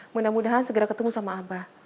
mudah mudahan segera ketemu sama abah